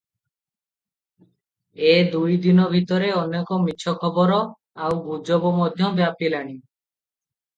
ଏ ଦୁଇ ଦିନ ଭିତରେ ଅନେକ ମିଛ ଖବର ଆଉ ଗୁଜବ ମଧ୍ୟ ବ୍ୟାପିଲାଣି ।